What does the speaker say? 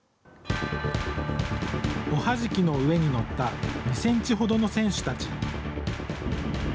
おはじきの上に乗った２ｃｍ程の選手たち。